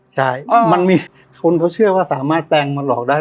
ใช่มันมีคนเขาเชื่อว่าสามารถแปลงมาหลอกได้